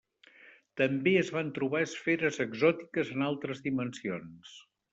També es van trobar esferes exòtiques en altres dimensions.